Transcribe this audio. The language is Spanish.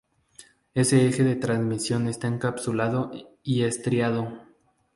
Ese eje de transmisión está encapsulado y estriado.